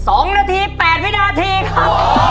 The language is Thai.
โอ้โฮ